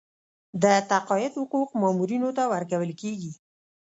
د تقاعد حقوق مامورینو ته ورکول کیږي